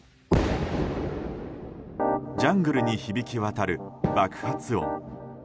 ジャングルに響き渡る爆発音。